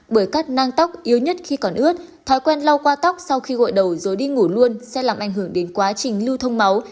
bởi các nang tóc yếu nhất khi còn ướt thói quen lau qua tóc sau khi gội đầu rồi đi ngủ luôn sẽ làm ảnh hưởng đến quá trình lưu thông máu